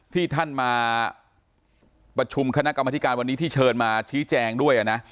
ที่ท่านมาประชุมคณะกรรมธิการวันนี้ที่เชิญมาชี้แจงด้วยนะ